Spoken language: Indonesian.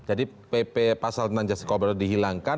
jadi pp pasal tentang justice collaborator dihilangkan